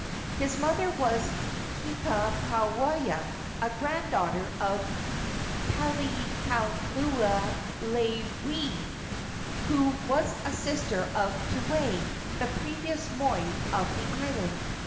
His mother was Kekuiapoiwa, a granddaughter of Kalanikauleleiaiwi, who was a sister of Keawe, the previous moi of the island.